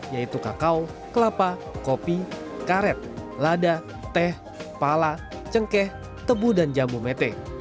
yaitu kakao kelapa kopi karet lada teh pala cengkeh tebu dan jambu mete